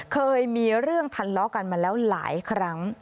เคยมีเรื่องทะเลาะกันมาแล้วหลายครั้ง